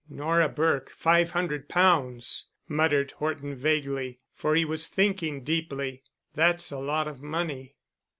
"Nora Burke—five hundred pounds!" muttered Horton vaguely, for he was thinking deeply, "that's a lot of money."